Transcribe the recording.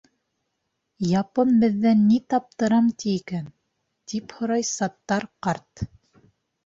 — Япон беҙҙән ни таптырам ти икән? — тип һорай Саттар ҡарт.